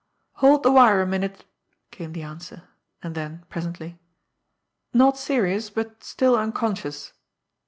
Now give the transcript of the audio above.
"Hold the wire a minute," came the answer; and then, presently: "Not serious; but still unconscious."